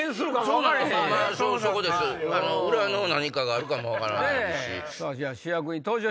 裏の何かがあるかも分からないし。